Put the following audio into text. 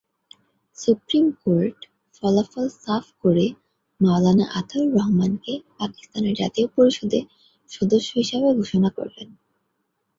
Supreme court ফলাফল সাফ করে মাওলানা আতাউর রহমানকে পাকিস্তানের জাতীয় পরিষদের সদস্য হিসাবে ঘোষণা করে।